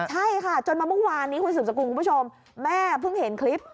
ใช่ค่ะจนมาเมื่อวานนี้คุณสืบสกุลคุณผู้ชมแม่เพิ่งเห็นคลิป